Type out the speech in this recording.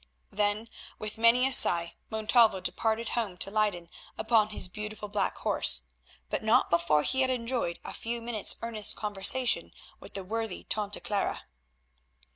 Then, with many a sigh, Montalvo departed home to Leyden upon his beautiful black horse, but not before he had enjoyed a few minutes' earnest conversation with the worthy Tante Clara.